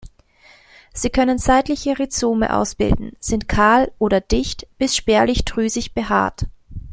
Sie können seitliche Rhizome ausbilden, sind kahl oder dicht bis spärlich drüsig behaart.